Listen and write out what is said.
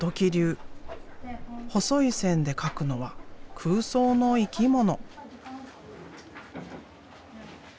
細い線で描くのは空想の生き物。